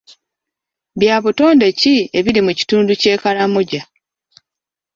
Bya butonde ki ebiri mu kitundu ky'e Karamoja?